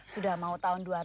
sudah mau tahun dua ribu